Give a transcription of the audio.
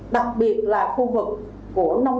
đặc biệt là khu vực của nông